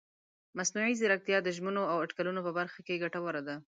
مصنوعي ځیرکتیا د ژمنو او اټکلونو په برخه کې ګټوره ده.